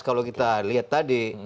kalau kita lihat tadi